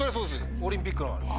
オリンピックの。